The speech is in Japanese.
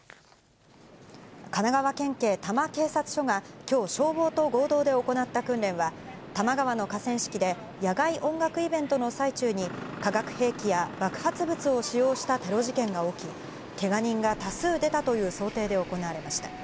神奈川県警多摩警察署がきょう消防と合同で行った訓練は、多摩川の河川敷で野外音楽イベントの最中に、化学兵器や爆発物を使用したテロ事件が起き、けが人が多数出たという想定で行われました。